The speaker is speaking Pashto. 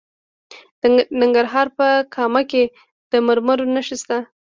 د ننګرهار په کامه کې د مرمرو نښې شته.